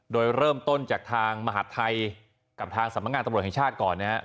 โดยเริ่มต้นจากทางมหาดไทยกับทางสำนักงานตำรวจแห่งชาติก่อนนะครับ